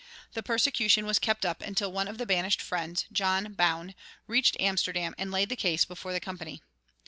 The persecution was kept up until one of the banished Friends, John Bowne, reached Amsterdam and laid the case before the Company.